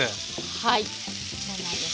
はいそうなんです。